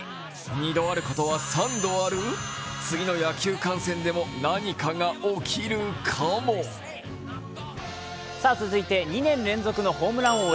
二度あることは三度ある次の野球観戦でも何かが起きるかも続いて２年連続のホームラン王へ。